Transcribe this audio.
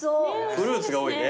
フルーツが多いね。